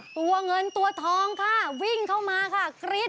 ตัวเงินตัวทองวิ่งเข้ามาคลี๊ด